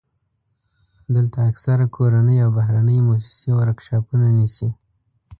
دلته اکثره کورنۍ او بهرنۍ موسسې ورکشاپونه نیسي.